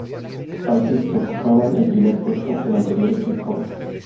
Países que ocupaban el primer puesto en anteriores informes.